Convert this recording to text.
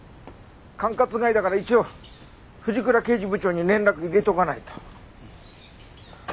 管轄外だから一応藤倉刑事部長に連絡入れておかないと。